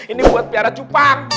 ini buat biara cupang